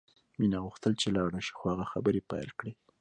مینه غوښتل چې لاړه شي خو هغه خبرې پیل کړې